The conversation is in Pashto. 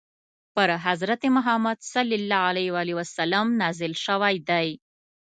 پر حضرت محمد ﷺ نازل شوی دی.